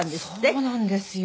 そうなんですよ。